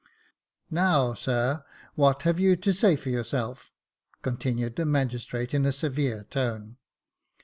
"Now, sir, what have you to say for yourself?" con tinued the magistrate in a severe tone.